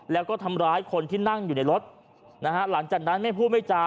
แล้วก็ทำร้ายคนที่นั่งอยู่ในรถนะฮะหลังจากนั้นไม่พูดไม่จา